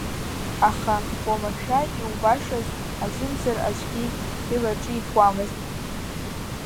Аха, уамашәа иубашаз, аӡәымзар аӡәгьы илаҿиҭуамызт.